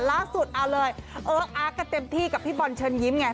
ล่าสุดเอาเลยเอออาร์กันเต็มที่กับพี่บอลเชิญยิ้มไง